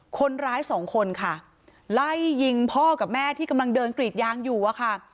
คนร้ายสองคนค่ะไล่ยิงพ่อกับแม่ที่กำลังเดินกรีดยางอยู่อะค่ะ